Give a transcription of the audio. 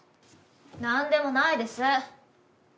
なんでもないです。